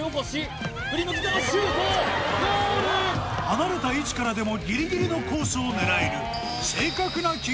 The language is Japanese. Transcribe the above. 離れた位置からでもギリギリのコースを狙える